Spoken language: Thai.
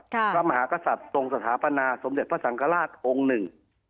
พระมหากษัตริย์ทรงสถาปนาสมเด็จพระสังฆราชองค์หนึ่ง